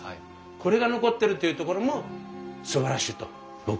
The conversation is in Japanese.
これが残ってるっていうところもすばらしいと僕はそう思います。